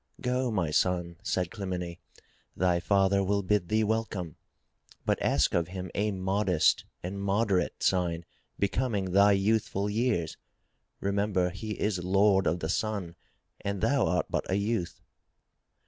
"Go, my son," said Clymene. "Thy father will bid thee welcome. But ask of him a modest and moderate sign becoming thy youthful years. Remember he is Lord of the Sun and thou art but a youth."